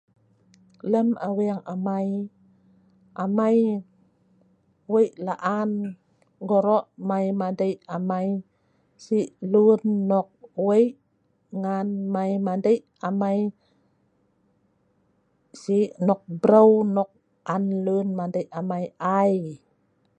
Lem aweng amai, amai wik laan gorok mei madik amai sii lun nok wik ngan mei madik amai sii nok brew nok an lun madik amei aii'